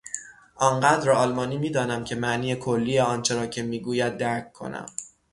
آنقدر آلمانی میدانم که معنی کلی آنچه را که میگوید درک کنم.